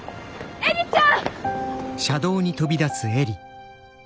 映里ちゃん。